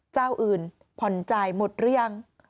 เจ้าอื่นผ่อนจ่ายหมดหรือยัง